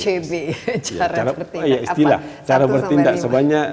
cb cara bertindak apa